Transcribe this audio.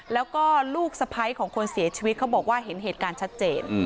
แล้วก็ลูกสะพ้ายของคนเสียชีวิตเขาบอกว่าเห็นเหตุการณ์ชัดเจน